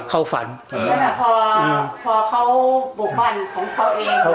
พอเขาปลูกบ้านของเขาเอง